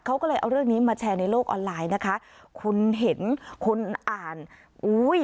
เขาก็เลยเอาเรื่องนี้มาแชร์ในโลกออนไลน์นะคะคุณเห็นคนอ่านอุ้ย